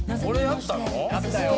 「やったよ」